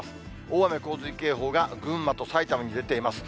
大雨洪水警報が群馬と埼玉に出ています。